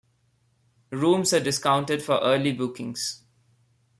Rooms are discounted for early bookings.